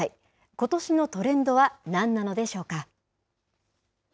ことしのトレンドは何なのでしょうか。